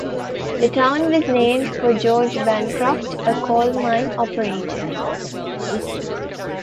The town was named for George Bancroft, a coal mine operator.